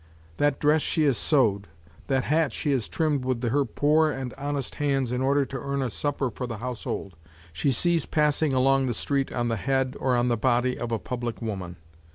That dress she has sewed, that hat she has trimmed with her poor and honest hands in order to earn a supper for the household, she sees passing along the street on the head or on the body of a public woman.